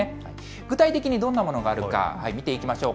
具体的にどんなものがあるか、見ていきましょう。